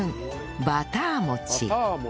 バター餅